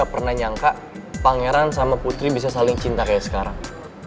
pernah nyangka pangeran sama putri bisa saling cinta kayak sekarang